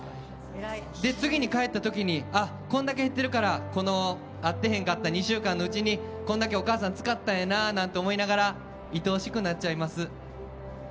次に帰った時にこれだけ減ってるからこの会ってへんかった２週間のうちにこんだけお母さん使ったんだなと思いながらいとおしくなっちゃいます。